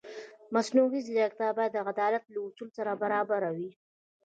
مصنوعي ځیرکتیا باید د عدالت له اصولو سره برابره وي.